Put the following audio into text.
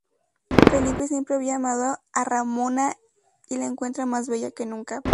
Felipe siempre había amado a Ramona y la encuentra más bella que nunca.